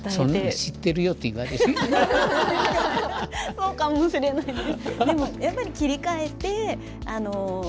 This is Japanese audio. そうかもしれないです。